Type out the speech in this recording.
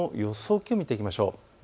気温、見ていきましょう。